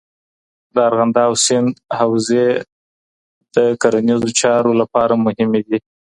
د ارغنداب سیند حوضې د کرنیزو چارو لپاره مهمې دي.